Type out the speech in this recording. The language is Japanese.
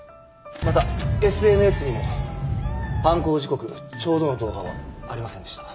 またＳＮＳにも犯行時刻ちょうどの動画はありませんでした。